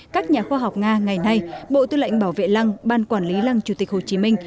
các nhà khoa học nga ngày nay bộ tư lệnh bảo vệ lăng ban quản lý lăng chủ tịch hồ chí minh